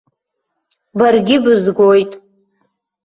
Баргьы бызгоит.